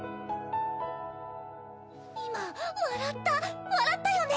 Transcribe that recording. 今笑った笑ったよね！